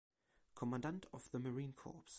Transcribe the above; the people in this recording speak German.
Commandant of the Marine Corps.